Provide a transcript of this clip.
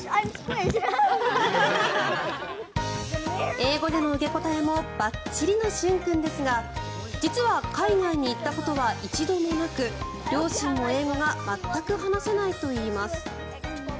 英語での受け答えもばっちりの駿君ですが実は海外に行ったことは一度もなく両親も英語が全く話せないといいます。